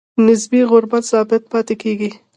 نسبي غربت ثابت پاتې کیږي.